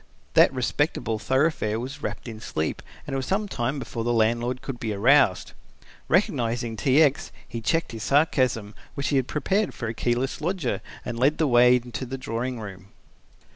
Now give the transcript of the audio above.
That respectable thoroughfare was wrapped in sleep and it was some time before the landlord could be aroused. Recognizing T. X. he checked his sarcasm, which he had prepared for a keyless lodger, and led the way into the drawing room.